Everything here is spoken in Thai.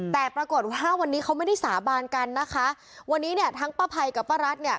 แต่ปรากฏว่าวันนี้เขาไม่ได้สาบานกันนะคะวันนี้เนี่ยทั้งป้าภัยกับป้ารัฐเนี่ย